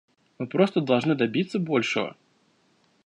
Мы просто должны добиться большего.